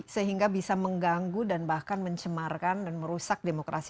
sehingga bisa mengganggu dan bahkan mencemarkan dan merusak demokrasi